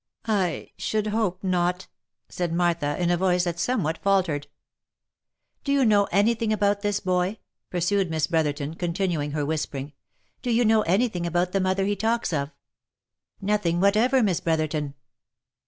" I should hope not," said Martha, in a voice that somewhat faltered. "Do you know any thing about this boy?'* pursued Miss Bro therton, continuing her whispering. " Do you know any thing about the mother he talks of V " Nothing whatever, Miss Brotherton."